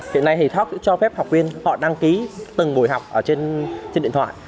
hiện nay thì talk cho phép học viên họ đăng ký từng buổi học trên điện thoại